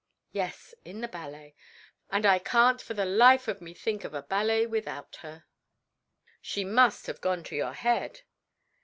"Yes, in the ballet, and I can't for the life of me think of a ballet without her." "She must have gone to your head."